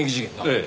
ええ。